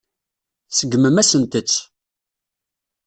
Tseggmem-asent-tt.